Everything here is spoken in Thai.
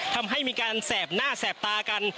ทำให้มีการแสบหน้าแสบตากัน